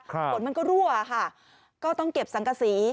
ฝนมันก็รั่วค่ะก็ต้องเก็บสังกษี